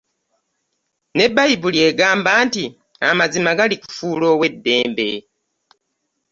Ne bayibuli egamba nti amazima galikufuula ow'eddembe.